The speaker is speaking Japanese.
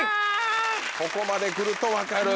ここまでくると分かる。